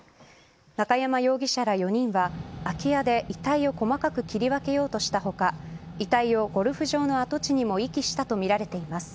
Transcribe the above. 中山容疑者ら４人は空き家で遺体を細かく切り分けようとした他遺体をゴルフ場の跡地にも遺棄したとみられています。